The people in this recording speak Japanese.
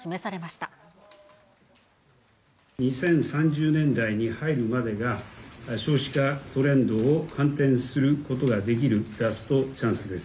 ２０３０年代に入るまでが、少子化トレンドを反転することができるラストチャンスです。